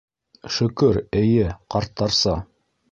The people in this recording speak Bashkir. - Шөкөр, эйе, ҡарттарса...